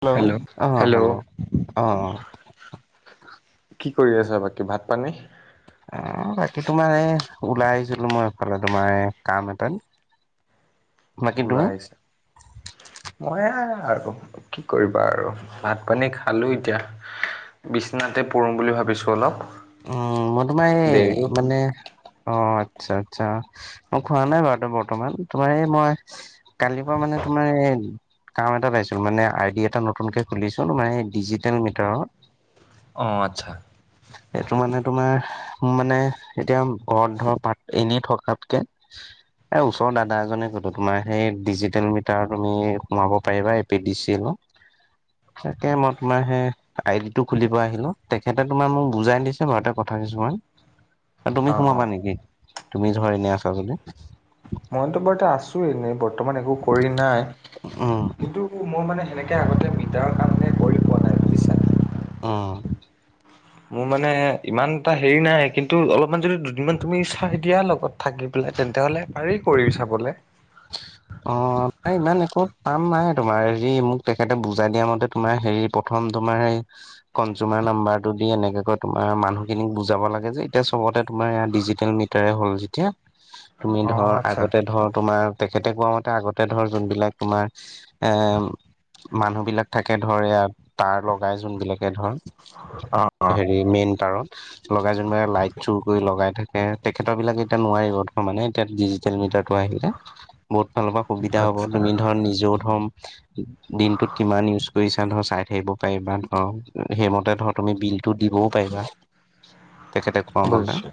Hello! Hello অ' hello hello অ' কি কৰি আছা বাকী ভাত পানী? [unintelligible] বাকী তোমাৰ এই ওলাই আহিছিলো মই এইফালে তোমাৰ কাম এটাত। বাকী তুমি ওলাই আহিছে। মই আৰু কি কৰিবা আৰু ভাত পানী খালো এতিয়া। বিছনাতে পৰো বুলি ভাবিছো অলপ। উম মই তোমাৰ এই দেৰিও হ'ল মানে অ', আচ্ছা আচ্ছা মই খোৱা নাই বাৰু [unintelligible] বৰ্তমান তোমাৰ এই মই কালিৰ পৰা মানে তোমাৰ এ কাম এটাত আহিছো মানে আই ডি এটা নতুনকে খুলিছিলো মানে ডিজিটেল মিটাৰৰ। অ', আচ্ছা। এইটো মানে তোমাৰ মানে এতিয়া [unintelligible] এনেই থকাতকে এই ওচৰৰ দাদা এজনে [unintelligible] তোমাৰ সেই ডিজিটেল মিটাৰ তুমি সোমাব পাৰিবা এ পি ডি চি এলৰ। [inaudible] তাকে মই তোমাৰ হে আইডি টো খুলিব আহিলো তেখেতে তোমাৰ মোক বুজাই দিছে [unintelligible] কথা কিছুমান। আৰু অ তুমি অ সোমাবা নেকি তুমি ধৰা এনে আছা যদি? মইতো [unintelligible] আছো এনেই বৰ্তমান একো কৰি নাই উম কিন্তু মই মানে সেনে তে আগতে মিটাৰ কাম নে কৰি পোৱা নাই বুজিছা উম। মোৰ মানে ইমান এটা হেৰি নাই কিন্তু অলপমান যদি দুদিনমান তুমি চাই দিয়া লগত থাকি পেলাই তেন্তে হ'লে পাৰি কৰি চাবলে। অ', প্ৰায় ইমান একো কাম নাই তোমাৰ হেৰি মোক তেখেতে বুজাই দিয়া মতে তোমাৰ হেৰি প্ৰথম তোমাৰ হে কনজুমাৰ নাম্বাৰটো দি এনেকে কৈ তোমাৰ মানুহখিনিক বুজাব লাগে যে এতিয়া চবতে তোমাৰ এয়া ডিজিটেল মিটাৰে হ'ল যেতিয়া তুমি অ ধৰ আচ্ছা আগতে ধৰ তোমাৰ তেখেতে কোৱা মতে আগতে ধৰ যোনবিলাক তোমাৰ এ মানুহ বিলাক থাকে ধৰ ইয়াত তাৰ লগাই যোনবিলাকে ধৰ অ অ হেৰি মেইন টাৰত। লগাই যোনবিলাক লাইট চুৰ কৰি লগাই থাকে তেখেতৰ বিলাক এতিয়া নোৱাৰিব ধৰ মানে এতিয়া ডিজি টেল মিটাৰটো আহিলে বহুত ফালৰ পৰা সুবিধা হব আচ্ছা তুমি ধৰ নিজেও ঠম দিনটোত কিমান ইউজ কৰিছা ধৰ চাই থাকিব। পাৰিবা ধৰ সেইমতে ধৰ তুমি বিলটো দিবও পাৰিবা। তেখেতে কোৱা মতে। বুজিছো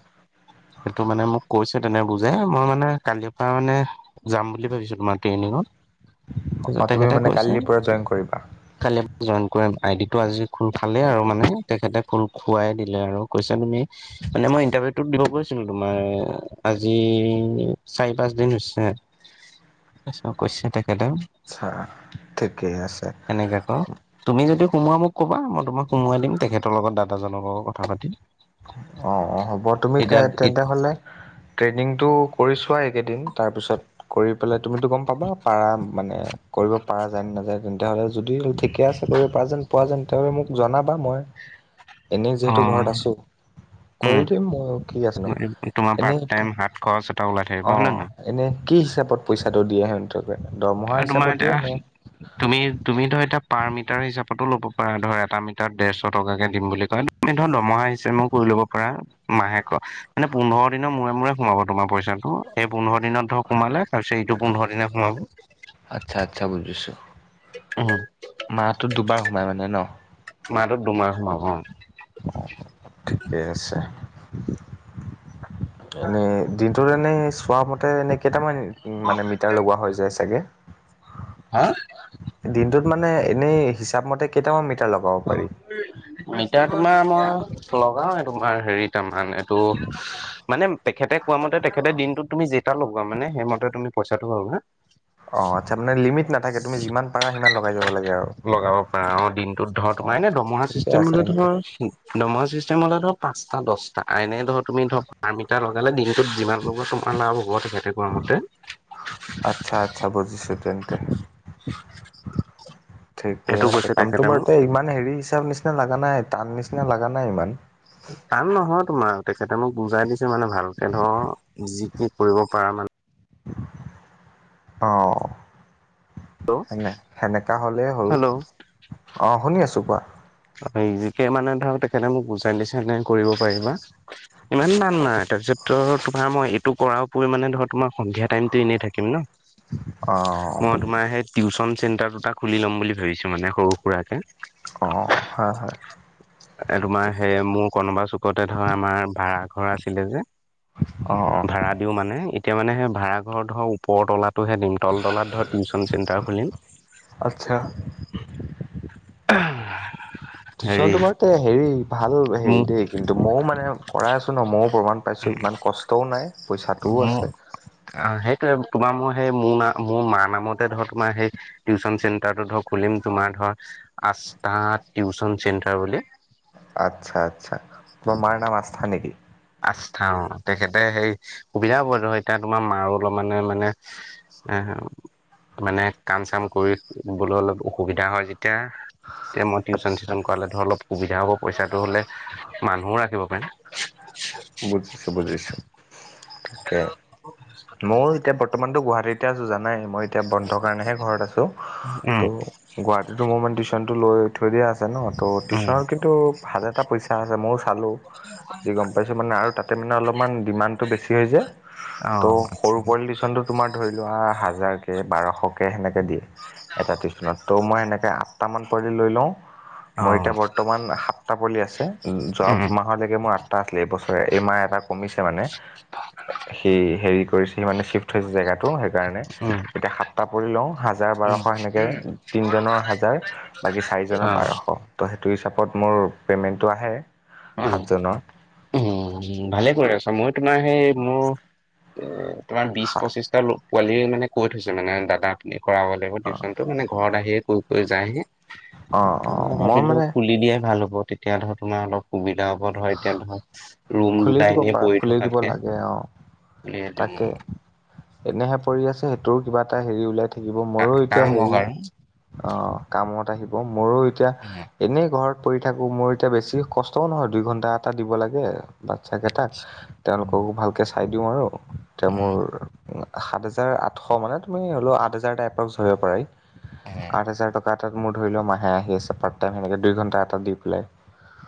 সেইটো মানে মোক কৈছে তেনে বুজাই মই মানে কালিৰ পৰা মানে যাম বুলি ভাবিছো তোমাৰ ট্ৰেইনিঙত। তাৰপিছত অ', তুমি তেখেতে মানে কৈছে কালিৰ পৰা যইন কৰিবা। কালি যইন কৰিম আই ডি টো আজি খোল খালে আৰু মানে তেখেতে খোল খুৱাই দিলে আৰু। কৈছা তুমি মানে মই ইণ্টাৰভিউটোত দিম গৈছিলো তোমাৰ এ আজি চাৰি পাঁচ দিন হৈছে। চব কৈছে তেখেতে। আচ্ছা, ঠিকেই আছে। হে ক। তুমি যদি সোমোৱা মোক কবা মই তোমাক সোমোৱাই দিম তেখেতৰ লগত দাদাজনৰ লগত কথা পাতি দিম অ অ হ'ব তুমি তে তেন্তে হ'লে। ট্ৰেইনিংটো কৰি চোৱা এইকেইদিন তাৰ পিছত কৰি পেলাই তুমিটো গম পাবা। পাৰা মানে কৰিব পৰা যায় নে নাযায় তেন্ত হ'লে যদি ঠিকে আছে কৰিব পৰা যেন- পোৱা যেন তেওঁ মোক জনাবা মই এনেই অ যিহেতু ঘৰত আছো। উম কৰি দিম মই কি আছে নো তোমাৰ পাৰ্ট এনেই টাইম কি হাত খৰচ এটা ওলাই থাকিব অ। হয় নে নহয় এনেই কি হিচাপত পইচাটো দিয়ে সিহঁতে দৰমহা আৰু তোমাৰ হিচাপত এতিয়া দিয়ে নে? তুমি তুমি ধৰা এতিয়া পাৰ মিটাৰ হিচাপতো ল'ব পাৰা ধৰ এটা মিটাৰ ডেৰশ টকাকে দিম বুলি কয়। ধৰ দৰমহা চিষ্টেম কৰি ল'ব পাৰা। মাহেক, মানে পোন্ধৰ দিনৰ মূৰে মূৰে সোমাব তোমাৰ পইচাটো এই পোন্ধৰ- দিনত ধৰক সোমালে তাৰ পিছত এইটো পোন্ধৰ দিনে সোমাব। আচ্ছা আচ্ছা বুজিছো। উম। মাহটো দুবাৰ সোমাই মানে ন। মাহটো দুবাৰ সোমাব অ ঠিকে আছে। এনে দি- ত এনেই চোৱা মতে এনে কেইটামান মানে মিটাৰ লগোৱা হৈ যায় চাগে। হা দিনটোত মানে এনেই হিচাপ মতে কেইটামান মিটাৰ লগাব পাৰি। মিটাৰ তোমাৰ মই লগাও তোমাৰ হেৰিটা মান এইটো- মানে তেখেতে কোৱা মতে তেখেতে দিনটোত তুমি যেটা ল'গোৱা মানে সেইমতে তুমি পইচাটো পাবা। অ আচ্ছা মানে লিমিট নাথাকে তুমি যিমান পাৰা সিমান লগাই যাব লাগে আৰু। লগাব পাৰা অ দিনটোত ধৰ অ। তোমাৰ এনে দমহা ঠিকে আছে চিষ্টেমটোতে তেন্তে ধৰ- দৰমহা চিষ্টেম হলে ধৰক পাঁচটা দহটা এনে ধৰ তুমি ধৰক পাৰ মিটাৰ লগালে দিনটোত যিমান লগোৱা তোমাৰ। লাভ হব তেখেতে কোৱা মতে। আচ্ছা আচ্ছা বুজিছোঁ তেন্তে। ঠিকে এইটো আছে কৈছে কামটো তেখেতে মোক বাৰু এ ইমান হেৰি হিচাপ নিচিনা লগা নাই টান নিচিনা লগা নাই ইমান। টান নহয় তোমাৰ তেখেতে মোক বুজাই দিছে মানে ভালকে ধৰ যি কি কৰিব পাৰা মানে। অহ হেল্ল সেনেকা হ'লেই হ'ল। অঁ শুনি আছোঁ কোৱা। ইজিকে মানে ধৰ তেখেতে মোক বুজাই দিছে এনেকে কৰিব পাৰিবা। ইমান নাই তাৰপিছত ত' তোমাৰ মই এইটো কৰাৰ ওপৰিও মানে ধৰ তোমাৰ সন্ধিয়া টাইমতটো এনেই থাকিম ন। অঁ মই তোমাৰ সেই টিউশচন চেন্টাৰ দুটা খুলি ল'ম বুলি ভাবিছো মানে সৰু সুৰাকে। অঁ হয় হয়। এ তোমাৰ সেই মোৰ কোনোবা চুকতে ধৰ আমাৰ- ভাড়া ঘৰ আছিলে যে অ অ ভাড়া দিও মানে- তেতিয়া মানে হে ভাড়া ঘৰ ওপৰতলাটোহে দিম তল তলাত ধৰক টিউশ্যন চেণ্টাৰ খুলিম। আচ্ছা [unintelligible] টিউশ্যনটো বাৰু তে হেৰি ভাল হেৰি মোক দেই কিন্তু ময়ো মানে- কৰাই আছোঁ ন ময়ো প্ৰমাণ পাইছোঁ ইমান কষ্টও নাই। পইচাটোও মোৰ আছে সেইটোৱে তোমাৰ মই সেই মোৰ নাম মোৰ মাৰ নামতে ধৰ তোমাৰ সেই- টিউচন চেণ্টাৰটো ধৰ খুলিম তোমাৰ ধৰ আস্থাত টিউচন চেণ্টাৰ বুলি। আচ্ছা আচ্ছা তাৰ মাৰ নাম আস্থা নেকি? আস্থা অ, তেখেতে সেই, সুবিধা হ'ব ধৰ এতিয়া তোমাৰ মাৰো অলপ মানে মানে [unintelligible] মানে কাম চাম কৰি শুবলৈ অলপ অসুবিধা হয় যেতিয়া। এতিয়া মই টিউচন আচ্ছা চিউচন কৰালে ধৰ অলপ সুবিধা হ'ব পইচাটো উলাই। মানুহও ৰাখিব পাৰিম। বুজিছো বুজিছো, তাকে, মইয়ো এতিয়া বৰ্তমানতো গুৱাহাটীত এতিয়া আছো জানাই মই এতিয়া বন্ধ কাৰণেহে ঘৰত আছো, ত' উম গুৱা যিটো মোৰ মান টিউশ্যনটো লৈ থৈ দিয়া আছে ন, ত' উম টিউশ্যন কিন্তু ভালে ইচ্ছা আছে, মইয়ো চালো। যি গম পাইছো মানে আৰু তাতে মানে অলপমান ডিমাণ্ডটো বেছি হৈ যায়, অ', ত' সৰু [unintelligible] টিউচন তোমাৰ ধৰি লোৱা হাজাৰ কে বাৰশ কে সেনেকে দিয়ে। এটা টিউচনত, ত' মই সেনেকে আঠটা মান পোৱালি লৈ লওঁ। মোৰ অ', এতিয়া বৰ্তমান সাতটা পোৱালি আছে, যোৱা উম, মাহ মাহলৈকে মোৰ আঠটা আছিলে এই বছৰে, এই মাহ এটা কমিছে মানে। হেৰি হেৰি কৰিছে মানে চিফ থৈছে জেগাটো সেইকাৰণে, উম, এতিয়া সাতটা পোৱালি লওঁ হাজাৰ উম, বাৰশ সেনেকে, তিনজনৰ হাজাৰ। বাকী চাৰিজনৰ অ', বাৰশ ত' সেইটো হিচাপত মোৰ পেমেন্টো আহে। অ', সাতজনৰ। উম, ভালে কৰি আছা মই তোমাৰ সেই মোৰ এ তোমাৰ বিশ পঁচিছটা পোৱালিয়ে মানে কৈ থৈছে মানে দাদা আপুনি কৰা হল। অ', অ', [unintelligible] মানে ঘৰত আহি কৈ কৈ যাইগে। অ', মই ভাবিলো মানে খুলি দিয়াই ভাল হব তেতিয়া ধৰ তোমাৰ অলপ সুবিধা হব ধৰ এতিয়া ধৰক, ৰুম খুলি দুটা দিব এনেই পাৰা পৰি খুলি দিব থকাতকে। লাগে অ'। তাকে [unintelligible] এনেহে পৰি আছে সেইটোৰ কিবা এটা হেৰি ওলাই থাকিব মোৰো এতিয়া কাম হওক হেৰি আৰু অ', কামত আহিব, মোৰো এতিয়া এনেই ঘৰত পৰি থাকোঁ, মোৰ এতিয়া বেছি কষ্টও নহয় দুই ঘণ্টা এটা দিব লাগে। বাচ্ছাকেইটাক, তেওঁলোককো উম, ভালকৈ চাই দিওঁ আৰু, তেওঁ উম, মোৰ সাত হোজাৰ আঠশ মানে তুমি হ'লেও আঠ হাজাৰ টাইপ ওচৰে ধৰিব পাৰি, উম, উম, আঠ হেজাৰ টকাত তাত মোৰ ধৰি লওক মাহে আহি আছে পাৰ্ট টাইম সেনেকে দুই ঘণ্টা এটা দি পেলাই।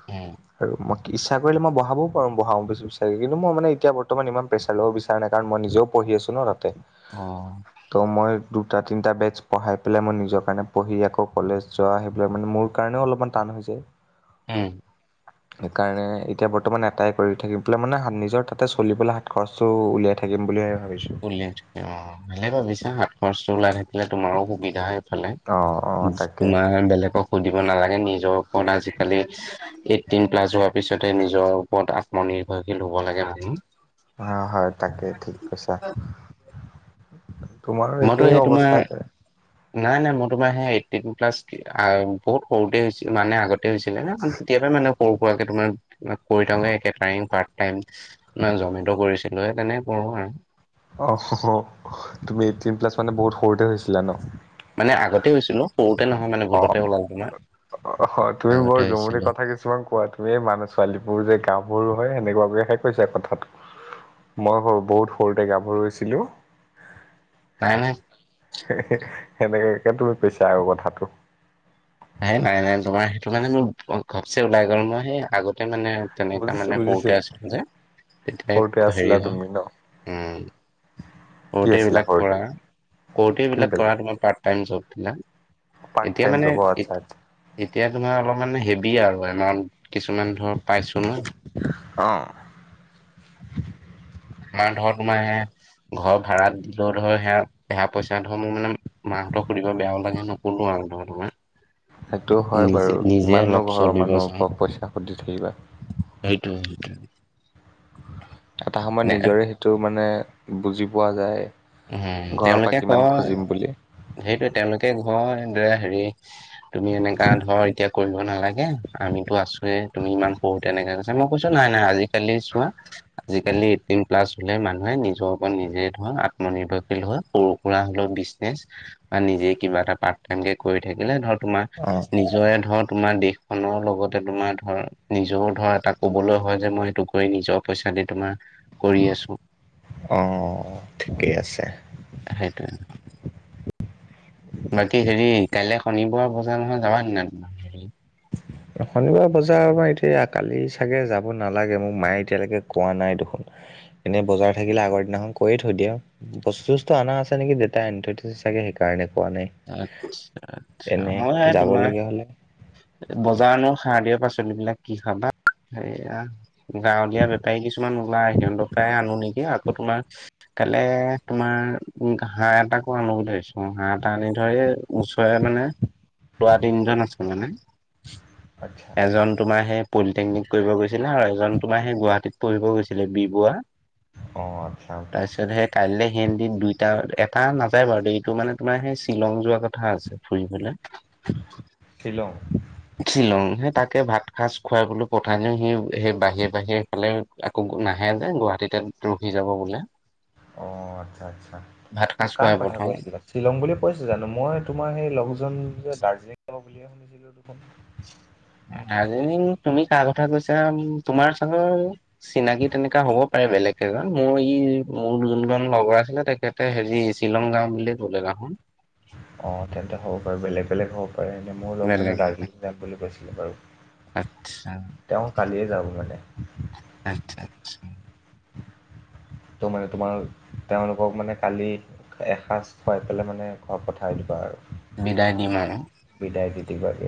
উম, আৰু মই ইচ্ছা কি কৰিলে মই বহাবও পাৰো বহাও বিচাৰি কিন্তু মই মানে এতিয়া বৰ্তমান ইমান প্ৰেছাৰ ল'ব বিচ ৰা নাই কাৰণ মই নিজেও পঢ়ি আছো ন' তাতে। অ', ত' মই দুটা তিনটা বেচ পঢ়াই পেলাই মই নিজৰ কাৰণে পঢ়ি আকৌ কলেজ যোৱা আহি পাই মানে মোৰ কাৰণেও অলপমান টান হৈ যায়। উম, সেইকাৰণে এতিয়া বৰ্তমান এটাই কৰি থাকি পেলাই মানে হাত নিজৰ তাতে চলিবলৈ হাত খৰচ চো উলিয়াই থাকিম বুলি ভাবিছোঁ। উলিয়াই থয় অ, ভালেই ভাবিছা সাত খৰচটো ওলাই থাকিলে তোমাৰো সুবিধা হয়। ফালে, অঁ অঁ তাকে তোমাৰ হে বেলেগক সুধিব নালাগে নিজৰ [unintelligible] আজিকালি টিন প্লাছ হোৱাৰ পিছতে নিজৰ ওপৰত আত্মনিৰ্ভৰশীল হ'ব লাগে মানুহ। হয়, হয়, তাকে ঠিক কৈছা। [unintelligible] তোমাৰো মইতো একেই সেই তোমাৰ অৱস্থা এটাই। নাই নাই, মই তোমাৰ সেই এইটটিন প্লাছ, বহুত সৰুতে হৈছে মানে আগতে [unintelligible] তেতিয়াৰ কাৰণে সৰু সুৰাকে তোমাৰ, কেটাৰিং পাৰ্ট। এণ্ড, মই জমেট' কৰিছিলো সেই তেনে কৰোঁ আৰু। অ', [unintelligible] তুমি এইটটিন প্লাছ মানে বহুত সৰুতে হৈছিলা ন? মানে আগতে হৈছিলো, সৰুতে নহয় মানে ভূলতে ওলাল তোমাৰ। অ', হয় তুমি আগতে বৰ জমনি হৈছিলোঁ কথা কিছু কিছুমান কোৱা তুমি এই মানুহ ছোৱালীবোৰ যে গাঁওবোৰো হয় সেনেকুৱাকেহে কৈছা কথাটো। মই ব বহুত সৰুতে গাভৰু হৈছিলো। নাই নাই। হেহে সেনেকাকে তুমি কৈছা আৰু কথাটো। নাই নাই তোমাৰ সেইটো মানে মোৰ ঘপচে ওলাই গ'ল মই সেই আগতে মানে তেনেকুৱা বুজিছো মানে বুজিছো সৰুতে আছিলো যে সৰুতে তেতিয়া আছিলা হেৰি হয় তুমি ন উম। কি সৰুতে আছিলা এইবিলাক সৰুতে কৰা, সৰুতে এইবিলাক কিমবেলা কৰা তোমাৰ পাৰ্ট টাইম জববিলাক। পাৰ্ট এতিয়া টাইম মানে জব অ আচ্ছা এত আচ্ছা এতিয়া তোমাৰ অলপমান হেভি আৰু এমাউন্ট কিছুমান ধৰ পাইছো ন। অ। আমাৰ ধৰ তোমাৰ সে, ঘৰ ভাৰাটো ধৰ সেয়া দেহা পইচা ধৰ মোৰ মানে মাহঁতক সুধিব বেয়াও লাগে নকোলো আৰু ধৰ তোমাৰ। সেইটো হয় নিজে বাৰু, নিজে কিমাননো অলপ ঘৰৰ চলিব মানুহৰ চাওঁ পৰা পইচা সুধি থাকিবা? সেইটোৱে সেইটোৱে। এটা সময়ত নিজৰে সেইটো মানে বুজি পোৱা যায়। উম ঘৰৰ পৰা তেওঁলোকে কিমান কয়। খুজিম বুলি সেইটোৱে তেওঁলোকে ঘয়, ধৰা হেৰি তুমি এনেকা ধৰ এতিয়া কৰিব নালাগে, আমিতো আছোয়ে তুমি ইমান সৰু তেনেকা কৈছা, মই কৈছো নাই নাই আজি কালি চোৱা, আজিকালি এইটিনপ্লাছ হলে মানুহে নিজৰ ওপৰত নিজে ধৰা আত্ম নিৰ্ভৰশীল হৈ সৰু সুৰা হলেও বিজনেচ বা নিজে কিবা এটা পাৰ্ট টাইম কে কৰি থাকিলে ধৰ তোমাৰ অ নিজ নিজৰে ধৰ তোমাৰ দেশখনৰ লগতে তোমাৰ ধৰ নিজৰও ধৰ এটা কবলৈ হয় যে মই এইটো কৰি নিজক পইচা দি তোমাৰ কৰি আছো। অঁ ঠিকে আছে। সেইটোৱে। বাকী হেৰি কাইলৈ শনিবাৰ বজাৰ নহয়, যাবা নে নাই? হেৰি [inaudible] শনিবাৰ বজাৰ আমাৰ এতিয়া কালি চাগে যাব নালাগে, মোক মায়ে এতিয়ালৈকে কোৱা নাই দেখোন। এনেই বজাৰ থাকিলে আগৰ দিনাখন কয়ে থৈ দিয়ে আও। বস্তু - চস্তু অনা আছে নেকি দেউতাই আনি থৈ দিছে চাগে সেইকাৰণে কোৱা নাই। আচ্ছা আচ্ছা, এনে মই এ তোমাৰ যাবলগীয়া হ'লে বজাৰ ন সাৰ দিয়া পাচলিবিলাক কি খাবা, সেইয়া। গাঁৱলীয়া বেপাৰী কিছুমান ওলায় সিহঁতৰ পাই আনো নেকি, আকৌ তোমাৰ কাইলে তোমাৰ উম হাঁহ এটাকো আনো বুলি ভাবিছোঁ হাঁহ? আনি ধৰ এই ওচৰে মানে লোৱা তিনিজন আছে মানে। আচ্ছা এজন তোমাৰ সেই পলিটেকনিক কৰিব গৈছিলে আৰু এজন তোমাৰ সেই গুৱাহাটীত পঢ়িব গৈছিলে বি বোৱা। অ আচ্ছা আচ কাইলৈ হেন্দিন দুইটা এটা নাযায় বাৰু দেই, এইটো মানে আপোনাৰ সেই শ্বিলং যোৱা কথা আছে ফুৰিবলে। শ্বিলং? শ্বিলং, সে তাকে ভাত সাজ খুৱাই বোলো পঠাই দিও, সি সেই বাহিৰে বাহিৰে সেইফালে আকৌ গু নাহে যে গুৱাহাটীতে ৰখি যাব বোলে। অ আচ্ছা আচ্ছা, ভাত সাজ কাৰ খুৱাই কথা পঠাও কৈছিলা? শ্বিলং বুলি কৈছে জানো? মই তোমাৰ সেই লগজন যে দাৰ্জিলিং যাব বুলিয়ে শুনিছিলো দেখোন। দাৰ্জিলিং তুমি কাৰ কথা কৈছা? তোমাৰ চাগে চিনাকি তেনেকা হ'ব পাৰে বেলেগ এজন, মোৰ ই মোৰ যোনজন লগৰ আছিলে তাকে এ হেৰি শ্বিলং যাওঁ বুলিয়ে কলে দাখোন। অঁ তেন্তে হ'ব পাৰে বেলেগ বেলেগ হওক কৰে নে মোৰ লগজনৰ বেলেগ দাৰ্জিলিং যাম বুলি কৈছিলে বাৰু। আচ্ছা তেওঁ কালিয়ে যাব মানে। আচ্ছা আচ্ছা- তো মানে তোমাৰ তেওঁলোকক মানে কালি এসাঁজ খুৱাই পেলাই মানে খুৱা পঠাই দিবা আৰু। বিদায় দিম আৰু বিদায় দি দিবাগে।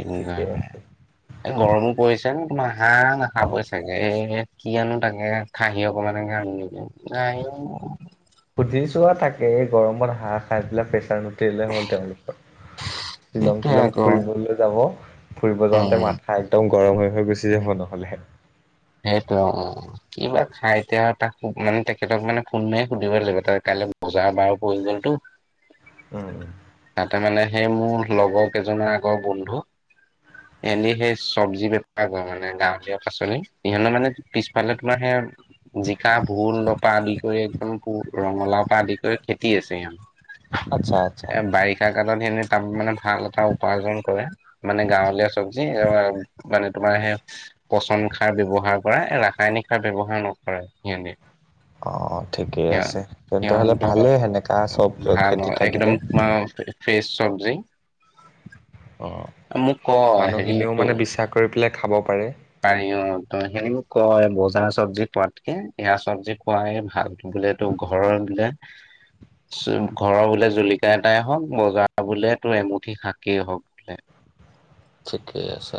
এই গৰমো পৰিছে ন হাঁহ অ নাখাবা- তাকে কি আনো তাকে খাহি অকমানকে আনোগে, খাহি সুধি চোৱা থাকে এই গৰমত হাঁহ বিলাক প্ৰেছাৰ নু এৰি দিলে হ'ল গাহৰি লুভটো। শ্বিলং সেইটোৱে তিলং আকৌ ফুৰিবলৈ যাব। ফুৰিব উম যাওঁতে মাথা একদম গৰম হৈ হৈ গুচি যাব নহ'লে। সেইটো অঁ কিবা খাই এতিয়া তাক মানে তেখেতক মানে ফোন মাৰি সুধিব লাগিব তাৰ কাইলৈ বজাৰ বাৰ পৰিলে তু। উম তাতে মানে সেই মোৰ লগৰ কেইজনৰ আগৰ বন্ধু- এনেই সেই চব্জি বেপাৰ কৰে মানে গাঁৱলীয়া পাচলি সিহঁতৰ মানে পিছফালে তোমাৰ সেয়া জিকা ভোল লপা আদি কৰি একদম পু ৰঙালাও পা আদি কৰি খেতি আছে সিহঁতৰ। আচ্ছা আচ্ছা এ বাৰিষা কালত এনে তাত মানে ভাল এটা উপাৰ্জন কৰে। মানে গাঁৱলীয়া চব্জি মানে তোমাৰ সেই পচন- সাৰ ব্যয়ৱহাৰ কৰা ৰাসায়নিক সাৰ ব্যৱহাৰ নকৰে সিহঁতে অঁ ঠিকেই আছে তেন্তে হলে সিহঁতৰ ভালেই সেনেকা চব খেতিত থাকিলে। ফ্ৰেচ চব্জি, অ মোক ক মানুহখিনিও হেৰিটো মানে বিশ্বাস কৰি পেলাই খাব পাৰে। পাৰি অ ত সেও কয় বজাৰ চব্জি পোৱাতকে এয়া চব্জি খোৱাই ভাল বোলে। টো ঘৰৰ বিলা- ঘৰৰ বোলে জলকীয়া এটাই হওক বজাৰ বোলে তো এমুঠি শাকেই হওক। ঠিকেই আছা।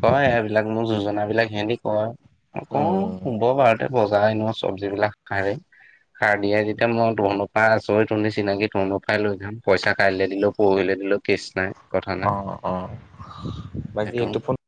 কয় এইবিলাক মোক যোজনা বিলাক সিহঁতে কয় মই কওঁ। উম কব পাৰতে বজাৰ এনেুৱা চব্জি বিলাক খাৰে খাৰ দিয়াই যেতিয়া মই তোহতৰ পৰা আচৰি তনী চিনাকি তোহতৰ পৰাই লৈ যাম পইচা কাইলৈ দিলো পৰহিলৈ দিলো। কেছ নাই কথা অ নাই অ বাকী সেইটো। এইটো ফোন